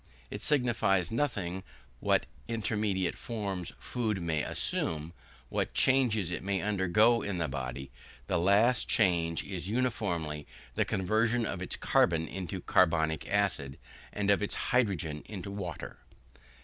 It signifies nothing what intermediate forms food may assume, what changes it may undergo in the body; the last change is uniformly the conversion of its carbon into carbonic acid, and of its hydrogen into water.